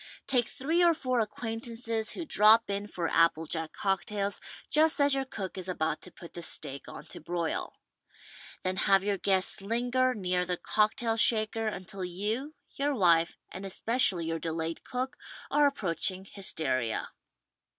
Take three or four acquaintances who drop in for apple jack cocktails just as your cook is about to put the steak on to broil. Then have your guests linger near the cock tail shaker until you, your wife and especially your de layed cook are approaching hysteria.